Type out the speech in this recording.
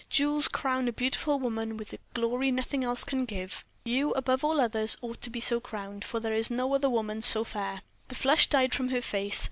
Jewels crown a beautiful woman with a glory nothing else can give. You, above all others, ought to be so crowned, for there is no other woman so fair." The flush died from her face.